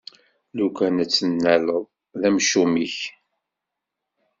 Lukan ad tt-tennaleḍ, d amcum-ik!